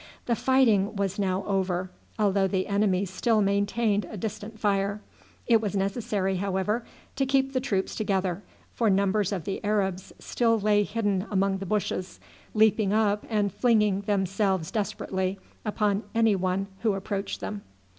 The fighting was now over, although the enemy still maintained a distant fire. It was necessary, however, to keep the troops together, for numbers of the Arabs still lay hidden among the bushes, leaping up and flinging themselves desperately upon any who approached them.